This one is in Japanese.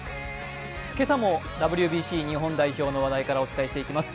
今朝もＷＢＣ日本代表の話題からお伝えしていきます。